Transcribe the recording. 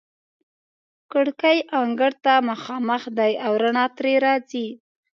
کړکۍ انګړ ته مخامخ دي او رڼا ترې راځي.